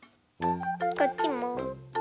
こっちも。